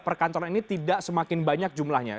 perkantoran ini tidak semakin banyak jumlahnya